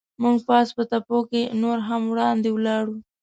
موږ پاس په تپو کې نور هم وړاندې ولاړو.